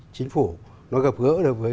chính phủ nó gặp gỡ được với